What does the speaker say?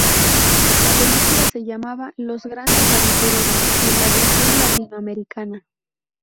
La película se llamaba "Los Grandes Aventureros" en la versión latinoamericana.